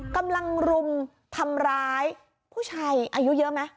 รุมทำร้ายผู้ชายอายุเยอะไหม